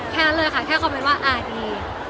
แค่นั้นเลยค่ะแค่คอมเมนต์ว่าอ่าดี